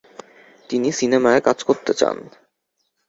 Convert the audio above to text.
তিনি সিনেমায় কাজ করতে চান।